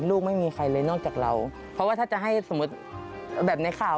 ลูกไม่มีใครเลยนอกจากเราเพราะว่าถ้าจะให้สมมุติแบบในข่าว